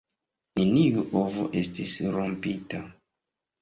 Neniu ovo estis rompita.